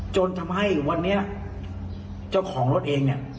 จนทำให้วันนี้เจ้าของรถเองเนี่ย